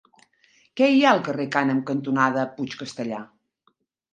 Què hi ha al carrer Cànem cantonada Puig Castellar?